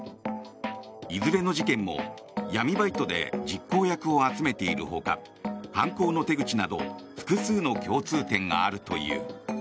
いずれの事件も闇バイトで実行役を集めているほか犯行の手口など複数の共通点があるという。